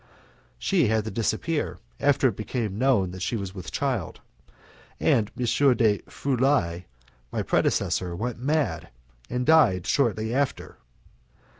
She had to disappear after it became known that she was with child, and M. de Frulai, my predecessor, went mad, and died shortly after.